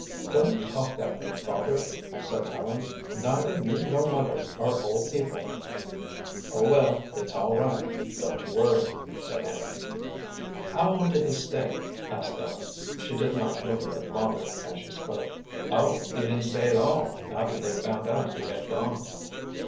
"Don't talk that way, father," said Ellen. "Neither you nor mother are old people." "Oh, well, it's all right, don't you worry," said Andrew. "How long did he stay?" asked Ellen. She did not look at her father as she spoke. "Oh, he didn't stay at all, after they found out you had gone."